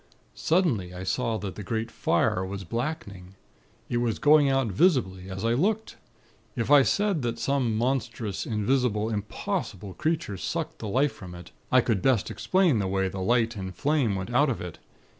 "Suddenly, I saw that the great fire was blackening. It was going out visibly, as I looked. If I said that some monstrous, invisible, impossible creature sucked the life from it, I could best explain the way the light and flame went out of it.